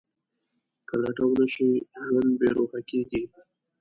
که لټه ونه شي، ژوند بېروح کېږي.